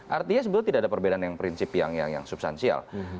artinya sebetulnya tidak ada perbedaan yang prinsip yang substansial